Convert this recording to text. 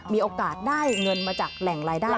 มีโอกาสได้เงินมาจากแหล่งรายได้